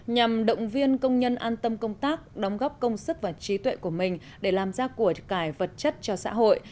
nhằm động viên công nhân an tâm công tác đóng góp công sức và trí tuệ của mình để làm ra của cải vật chất cho xã hội